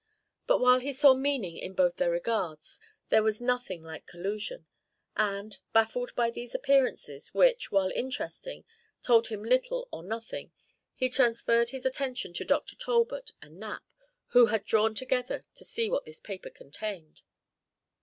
But while he saw meaning in both their regards, there was nothing like collusion, and, baffled by these appearances, which, while interesting, told him little or nothing, he transferred his attention to Dr. Talbot and Knapp, who had drawn together to see what this paper contained.